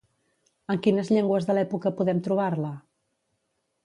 En quines llengües de l'època podem trobar-la?